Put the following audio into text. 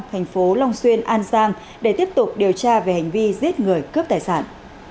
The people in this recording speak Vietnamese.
thành phố long xuyên an giang để tiếp tục điều tra về hành vi giết người cướp tài sản